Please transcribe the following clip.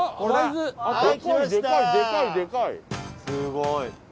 すごい。